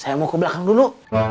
saya mau ke belakang dulu